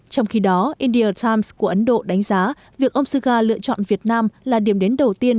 trong khi đó india times của ấn độ đánh giá việc ông suga lựa chọn việt nam là điểm đến đầu tiên